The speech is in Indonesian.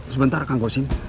sebentar kang kursi